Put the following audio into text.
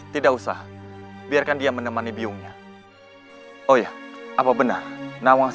tidak ada yang perlu kamu sampaikan